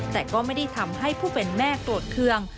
แต่ก็ไม่ได้ทำให้ผู้เป็นแม่โกรธเครื่อง